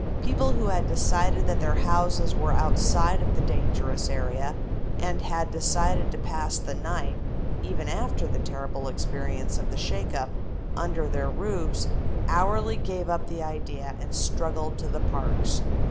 People who had decided that their houses were outside of the dangerous area and had decided to pass the night, even after the terrible experience of the shake up, under their roofs, hourly gave up the idea and struggled to the parks.